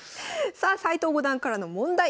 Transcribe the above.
さあ斎藤五段からの問題